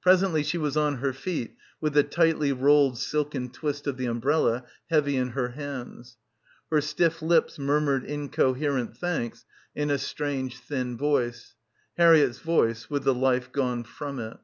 Presently she was on her feet with the tightly rolled silken twist of the umbrella heavy in her hands. Her stiff lips murmured incoherent thanks in a strange thin voice — Harriett's voice with the life gone from it.